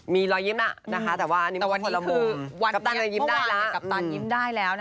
มีรอยยิ้มนะแต่วันนี้คือกัปตันยิ้มได้แล้ว